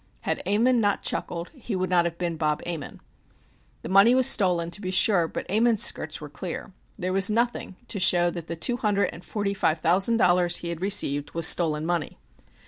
Had Ammon not chuckled he would not have been Bob Ammon. The money was stolen, to be sure, but Ammon's skirts were clear. There was nothing to show that the two hundred and forty five thousand dollars he had received was stolen money.